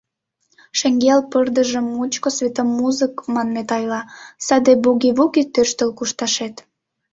Шеҥгел пырдыжым мучко светомузык манмет айла, саде буги-вуги тӧрштыл кушташет.